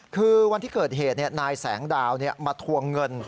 คือวันที่เกิดเหตุนายแสงดาวมาทวงเงิน